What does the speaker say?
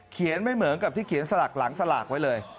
ไม่เหมือนกับที่เขียนสลากหลังสลากไว้เลย